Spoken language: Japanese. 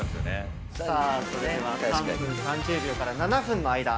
さあそれでは３分３０秒から７分の間。